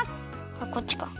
あっこっちか。